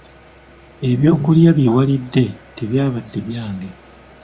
Ebyokulya bye walidde tebyabadde byange.